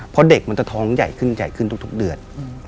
เพราะเด็กมันจะท้องใหญ่ขึ้นใหญ่ขึ้นทุกเดือน